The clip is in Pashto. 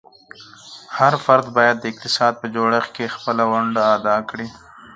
هر فرد باید د اقتصاد په جوړښت کې خپله ونډه ادا کړي.